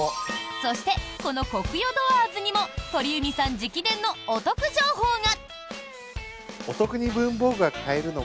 そしてこのＫＯＫＵＹＯＤＯＯＲＳにも鳥海さん直伝のお得情報が！